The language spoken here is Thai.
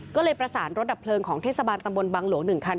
ก็เลยประสานรถดับเพลิงของเทศบาลตำบลบังหลวง๑คัน